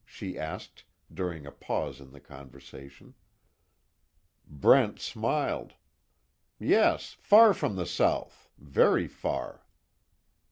she asked, during a pause in the conversation. Brent smiled. "Yes, far from the South very far."